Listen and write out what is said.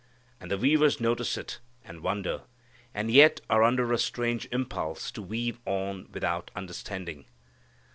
And the weavers notice it, and wonder, and yet are under a strange impulse to weave on without understanding.